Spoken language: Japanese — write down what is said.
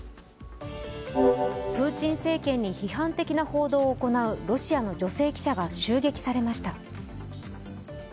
プーチン政権に批判的な報道を行うロシアの女性記者が襲撃されました。